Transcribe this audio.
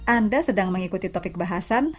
anda sedang mengikuti topik bahasan